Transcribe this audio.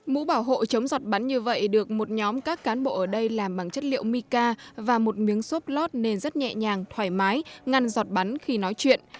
mũ bảo hộ chống giọt bắn như vậy được một nhóm các cán bộ ở đây làm bằng chất liệu mica và một miếng xốp lót nên rất nhẹ nhàng thoải mái ngăn giọt bắn khi nói chuyện